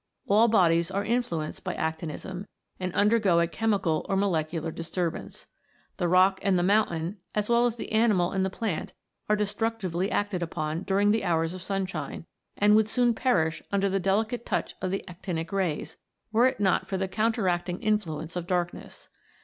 All bodies are influenced by actin ism, and undergo a chemical or molecular disturbance. The rock and the mountain, as well as the animal and the plant, are destructively acted upon during the hours of sunshine, and would soon perish under the delicate touch of the actinic 1'ays, were it not for the counteracting influence of darkness.